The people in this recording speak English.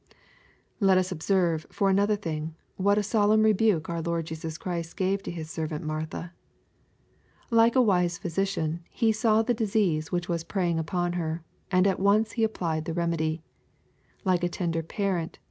Let us observe, for another thing, what a solemn rebxike our Lord Jesus Christ gave to His servant Martha. Like a wise physi(;ian He saw the disease which was preying upon her, and at once applied the remedy. Like a tender parent.